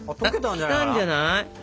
きたんじゃない？